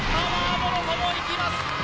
もろともいきます